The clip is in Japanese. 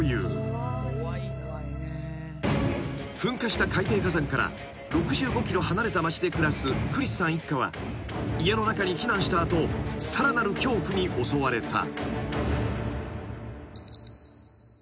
［噴火した海底火山から６５ｋｍ離れた町で暮らすクリスさん一家は家の中に避難した後さらなる恐怖に襲われた］